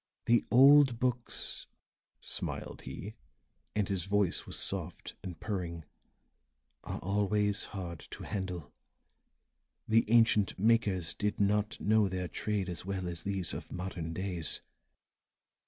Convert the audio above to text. "The old books," smiled he, and his voice was soft and purring, "are always hard to handle. The ancient makers did not know their trade as well as these of modern days.